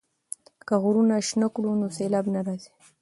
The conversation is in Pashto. که غرونه شنه کړو نو سیلاب نه راځي.